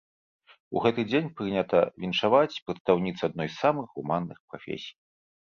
У гэты дзень прынята віншаваць прадстаўніц адной з самых гуманных прафесій.